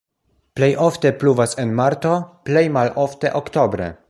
Plej ofte pluvas en marto, plej malofte oktobre.